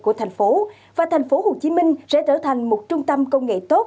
của thành phố và thành phố hồ chí minh sẽ trở thành một trung tâm công nghệ tốt